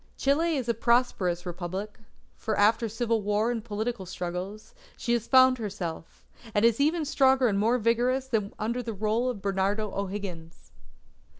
Chile is a prosperous Republic; for after civil war and political struggles, she has found herself, and is even stronger and more vigorous than when under the rule of Bernardo O'Higgins.